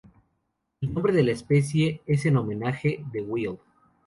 El nombre de la especie es en homenaje de Wild.